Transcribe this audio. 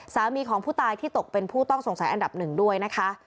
สามีของผู้ตายที่ตกเป็นผู้ต้องสงสัยอันดับหนึ่งด้วยนะคะ